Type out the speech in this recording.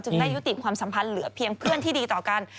ได้ยุติความสัมพันธ์เหลือเพียงเพื่อนที่ดีต่อกัน